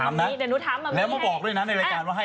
กลับมาอ่านข่าวพรุ่งนี้พี่มาหรือเปล่า